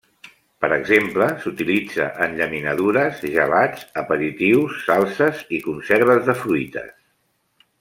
Per exemple, s'utilitza en llaminadures, gelats, aperitius, salses i conserves de fruites.